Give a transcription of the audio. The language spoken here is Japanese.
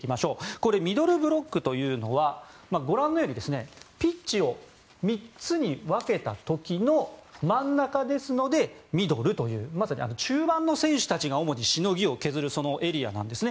これ、ミドルブロックというのはご覧のようにピッチを３つに分けた時の真ん中ですのでミドルというまさに中盤の選手たちが主にしのぎを削るそのエリアなんですね。